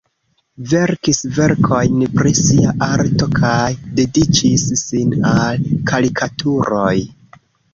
Verkis verkojn pri sia arto kaj dediĉis sin al karikaturoj.